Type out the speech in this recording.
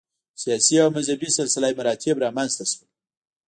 سیاسي او مذهبي سلسله مراتب رامنځته شول.